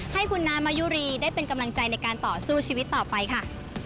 ให้คุณน้ำมายุรีได้เป็นกำลังใจในการต่อสู้ชีวิตต่อไปค่ะ